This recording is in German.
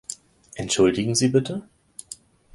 Entschuldigen Sie bitte?